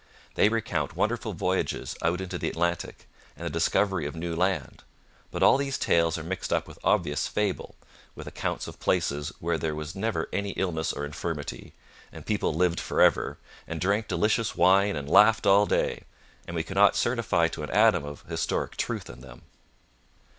They recount wonderful voyages out into the Atlantic and the discovery of new land. But all these tales are mixed up with obvious fable, with accounts of places where there was never any illness or infirmity, and people lived for ever, and drank delicious wine and laughed all day, and we cannot certify to an atom of historic truth in them.